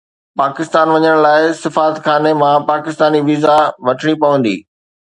پاڪستان وڃڻ لاءِ سفارتخاني مان پاڪستاني ويزا وٺڻي پوندي